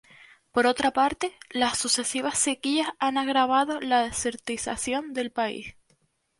Por otra parte, las sucesivas sequías han agravado la desertización del país.